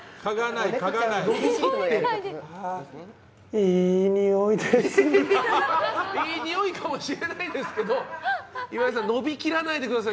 いいにおいかもしれないですけど伸びきらないでください。